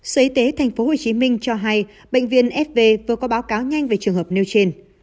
sở y tế tp hcm cho hay bệnh viện fv vừa có báo cáo nhanh về trường hợp nêu trên